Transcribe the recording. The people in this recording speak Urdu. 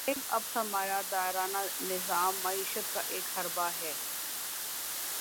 کھیل اب سرمایہ دارانہ نظام معیشت کا ایک حربہ ہے۔